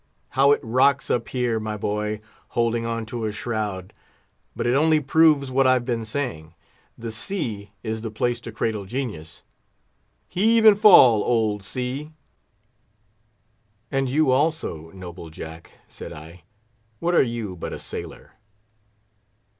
How it rocks up here, my boy!" holding on to a shroud; "but it only proves what I've been saying—the sea is the place to cradle genius! Heave and fall, old sea!" "And you, also, noble Jack," said I, "what are you but a sailor?"